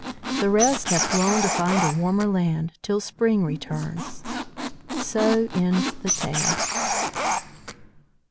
The rest have flown to find a warmer land till spring returns. So ends the tale."